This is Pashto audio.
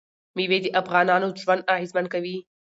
مېوې د افغانانو ژوند اغېزمن کوي.